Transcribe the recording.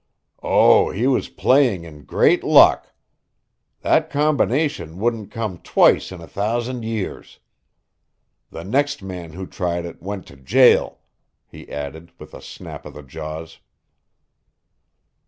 Oh, he was playing in great luck! That combination wouldn't come twice in a thousand years. The next man who tried it went to jail," he added with a snap of the jaws.